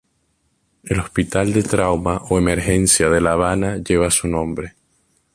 El hospital de trauma o emergencia de La Habana lleva su nombre.